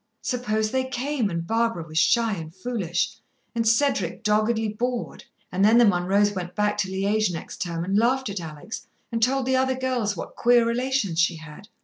Suppose they came, and Barbara was shy and foolish, and Cedric doggedly bored, and then the Munroes went back to Liège next term and laughed at Alex, and told the other girls what queer relations she had.